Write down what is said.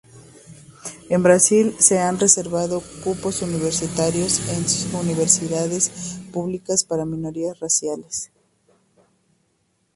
En Brasil se han reservado cupos universitarios en universidades públicas para minorías raciales.